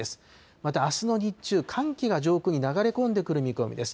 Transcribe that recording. またあすの日中、寒気が上空に流れ込んでくる見込みです。